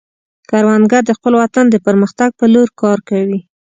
کروندګر د خپل وطن د پرمختګ په لور کار کوي